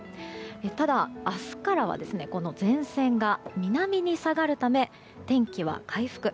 ただ、明日からは前線が南に下がるため天気は回復。